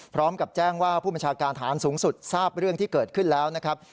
พร้อมกับแจ้งว่าผู้บัญชาการฐานสูงสุดทราบเรื่องที่เกิดขึ้นแล้วนะครับ